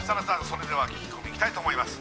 それでは聞き込みいきたいと思います